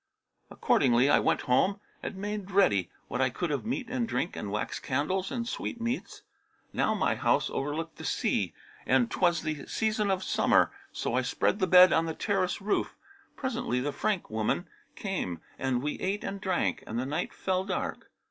Accordingly I went home and made ready what I could of meat and drink and wax candles and sweetmeats. Now my house overlooked the sea and 'twas the season of summer; so I spread the bed on the terrace roof. Presently, the Frank woman came and we ate and drank, and the night fell dark.